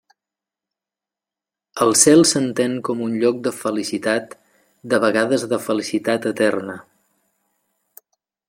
El cel s'entén com un lloc de felicitat, de vegades de felicitat eterna.